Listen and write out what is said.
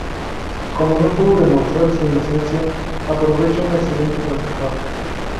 Como no puede demostrar su inocencia, aprovecha un accidente para escapar.